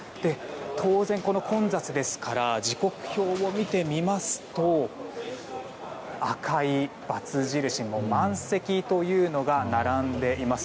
当然、この混雑ですから時刻表を見てみますと赤いバツ印、満席というのが並んでいます。